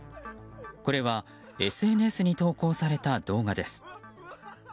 これはＳＮＳに投稿された動画です。